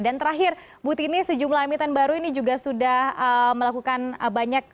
dan terakhir butini sejumlah emiten baru ini juga sudah melakukan banyak